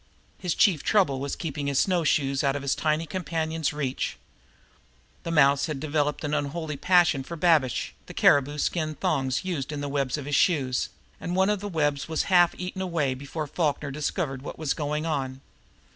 His chief trouble was to keep his snowshoes out of his tiny companion's reach. The mouse had developed an unholy passion for babiche, the caribou skin thongs used in the webs of his shoes, and one of the webs was half eaten away before Falkner discovered what was going on.